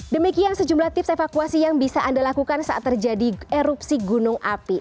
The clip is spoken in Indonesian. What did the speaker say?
demikian sejumlah tips evakuasi yang bisa anda lakukan saat terjadi erupsi gunung api